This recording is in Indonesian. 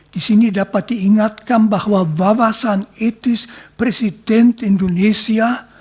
di sini dapat diingatkan bahwa wawasan etis presiden indonesia